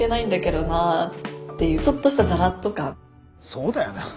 そうだよな。